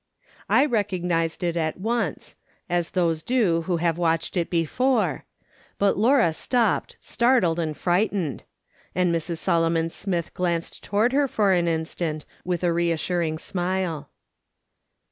I recognised it at once, as those do who have watched it before, but Laura stopped, startled and frightened ; and Mrs. Solomon Smith glanced toward her for an instant, Avith a reassuring smile.